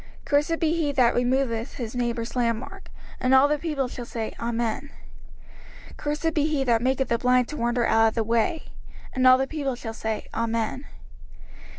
05:027:017 Cursed be he that removeth his neighbour's landmark. And all the people shall say, Amen. 05:027:018 Cursed be he that maketh the blind to wander out of the way. And all the people shall say, Amen.